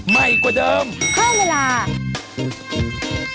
ไหม้กว่าเดิม